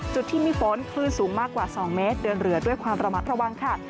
จุดที่มีฝนคลื่นสูงมากกว่า๒เมตรเดินเรือด้วยความระมัดระวังค่ะ